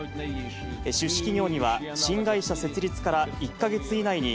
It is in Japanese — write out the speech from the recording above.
出資企業には新会社設立から１か月以内に、